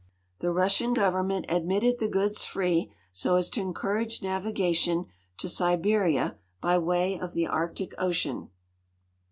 The Russian government admitted the goods free, so as to encourage navigation to Siberia by way of the Arctic ocean.